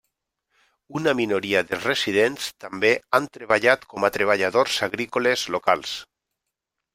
Una minoria dels residents també han treballat com a treballadors agrícoles locals.